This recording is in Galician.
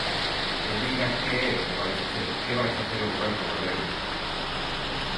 E diga que é o que vai facer, que vai facer o Goberno galego.